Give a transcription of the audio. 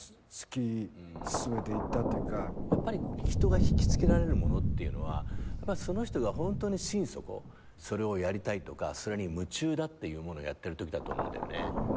やっぱり人が引きつけられるものっていうのはその人がホントに心底それをやりたいとかそれに夢中だっていうものをやってるときだと思うんだよね。